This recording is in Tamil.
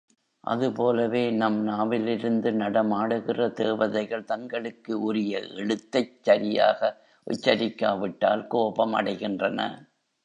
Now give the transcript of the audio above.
அதுபோலவே நம் நாவிலிருந்து நடமாடுகிற தேவதைகள் தங்களுக்கு உரிய எழுத்தைச் சரியாக உச்சரிக்காவிட்டால் கோபம் அடைகின்றன.